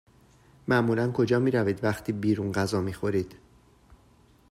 معمولا کجا می روید وقتی بیرون غذا می خورید؟